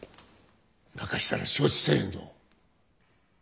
泣かしたら承知せえへんぞ。